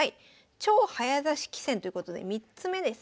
超早指し棋戦ということで３つ目ですね。